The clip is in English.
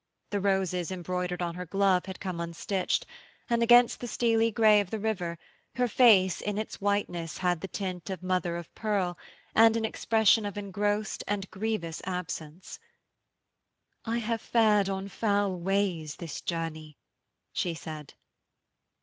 The roses embroidered on her glove had come unstitched, and, against the steely grey of the river, her face in its whiteness had the tint of mother of pearl and an expression of engrossed and grievous absence. 'I have fared on foul ways this journey,' she said.